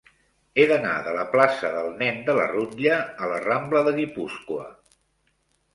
He d'anar de la plaça del Nen de la Rutlla a la rambla de Guipúscoa.